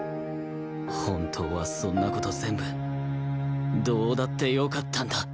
本当はそんな事全部どうだってよかったんだ